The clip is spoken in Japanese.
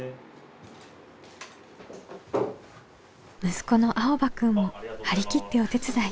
息子のあおばくんも張り切ってお手伝い。